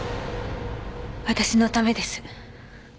私のためです。